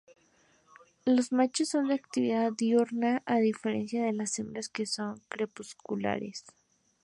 Los machos son de actividad diurna, a diferencia de las hembras que son crepusculares.